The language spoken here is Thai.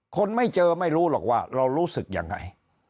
คนไม่เจอไม่รู้หรอกว่าเรารู้สึกยังไง